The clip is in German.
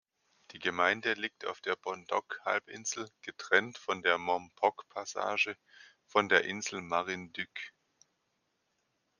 Die Gemeinde liegt auf der Bondoc-Halbinsel, getrennt von der "Mompog-Passage" von der Insel Marinduque.